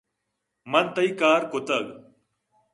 من تئی کار کُتگ